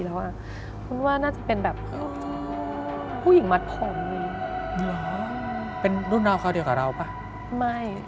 ตามเส้นทางเดิม